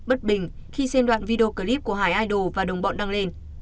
bất bình khi xen đoạn video clip của hải idol và đồng bọn đăng lên